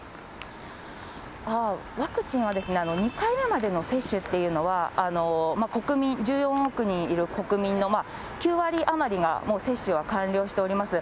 ワクチンは２回目までの接種っていうのは、国民、１４億人いる国民の９割余りがもう接種を完了しております。